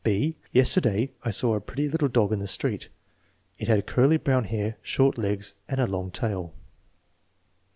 (6) Yesterday I saw a pretty little dog in the street. It had curly brown hair, short legs, and a long tail.